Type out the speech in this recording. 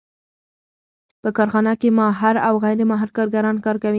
په کارخانه کې ماهر او غیر ماهر کارګران کار کوي